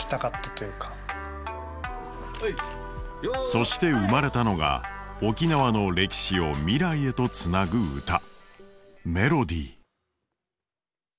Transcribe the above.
そして生まれたのが沖縄の歴史を未来へとつなぐ歌「Ｍｅｌｏｄｙ」。